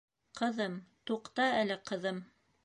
Ҡыҙым, туҡта әле, ҡыҙым!..